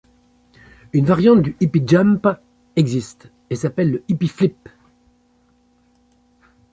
Une variante du hippy jump existe et s’appelle le hippy flip.